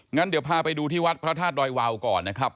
งั้นเดี๋ยวพาไปดูที่วัดพระธาตุดอยวาวก่อนนะครับ